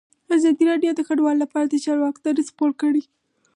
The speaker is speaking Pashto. ازادي راډیو د کډوال لپاره د چارواکو دریځ خپور کړی.